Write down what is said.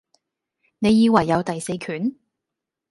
你以為有第四權?